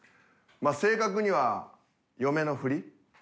まあ正確には嫁のふり。